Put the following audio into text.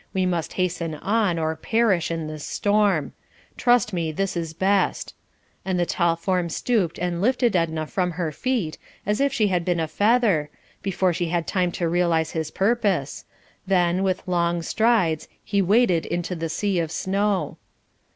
We must hasten on or perish in this storm. Trust me, this is best" and the tall form stooped and lifted Edna from her feet as if she had been a feather, before she had time to realise his purpose, then with long strides he waded into the sea of snow.